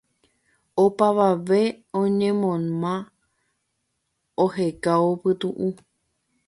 Opavave oñenóma ohekávo pytu'u